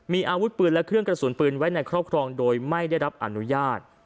มีอาวุธปืนและเครื่องกระสุนปืนไว้ในครอบครองโดยไม่ได้รับอนุญาต